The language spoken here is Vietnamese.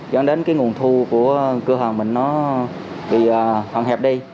dẫn đến cái nguồn thu của cửa hàng mình nó bị hạn hẹp đi